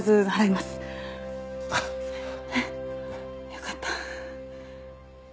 よかった。